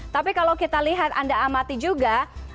tapi kalau kita lihat anda amati juga